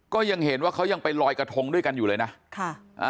ก็ยังเห็นว่าเขายังไปลอยกระทงด้วยกันอยู่เลยนะค่ะอ่า